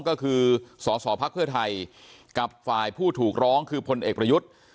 ก็คือสสพักเพื่อไทยกับฝ่ายผู้ถูกร้องคือพลเอกประยุทธ์